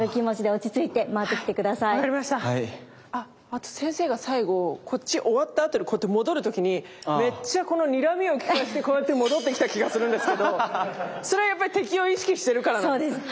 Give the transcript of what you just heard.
あと先生が最後こっち終わったあとにこうやって戻る時にめっちゃこのにらみをきかせてこうやって戻ってきた気がするんですけどそれはやっぱり敵を意識してるからなんですか？